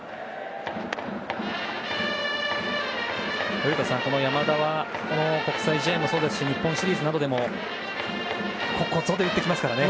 古田さん、山田は国際試合もそうですし日本シリーズなどでもここぞで打ってきますからね。